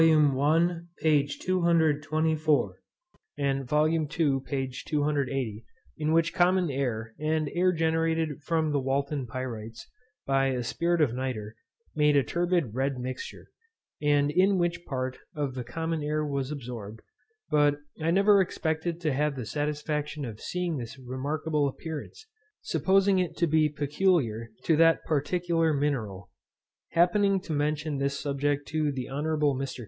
I, p. 224. and VOL. II, p. 280. in which common air, and air generated from the Walton pyrites, by spirit of nitre, made a turbid red mixture, and in which part of the common air was absorbed; but I never expected to have the satisfaction of seeing this remarkable appearance, supposing it to be peculiar to that particular mineral. Happening to mention this subject to the Hon. Mr.